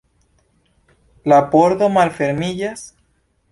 La pordo malfermiĝas.